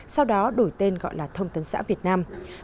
sau đó đổi tên gọi là thông tấn xã việt nam